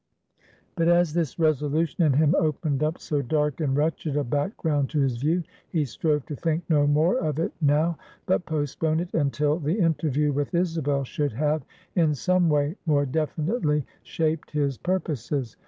But as this resolution in him opened up so dark and wretched a background to his view, he strove to think no more of it now, but postpone it until the interview with Isabel should have in some way more definitely shaped his purposes.